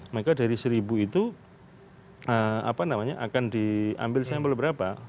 maka dari seribu itu akan diambil sampel berapa